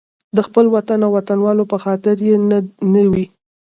د خپل وطن او وطنوالو په خاطر یې نه وي.